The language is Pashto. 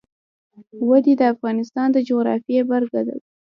وادي د افغانستان د جغرافیې بېلګه ده.